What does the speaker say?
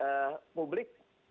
yang kedua saya melihat publik